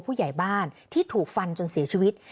ผู้ใหญ่บ้านที่ถูกฟันจนเสียชีวิต